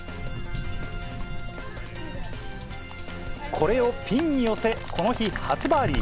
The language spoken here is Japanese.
これをピンに寄せ、この日、初バーディー。